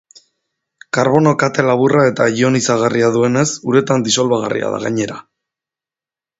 Karbono kate laburra eta ionizagarria duenez, uretan disolbagarria da gainera.